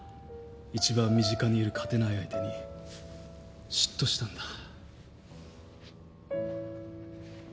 一番身近にいる勝てない相手に嫉妬したんだ。